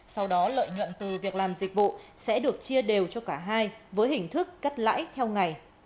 sau đó lợi nhuận từ việc làm dịch vụ sẽ được chia đều cho cả hai với hình thức cắt lãi theo ngày